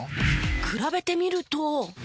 比べてみると。